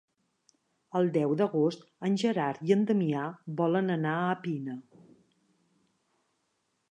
El deu d'agost en Gerard i en Damià volen anar a Pina.